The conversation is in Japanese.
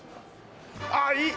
ああいい！